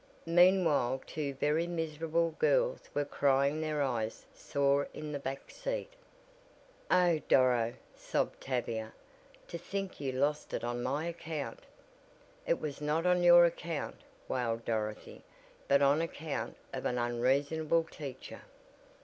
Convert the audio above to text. Meanwhile two very miserable girls were crying their eyes sore in the back seat. "Oh, Doro!" sobbed Tavia, "to think you lost it on my account." "It was not on your account," wailed Dorothy, "but on account of an unreasonable teacher."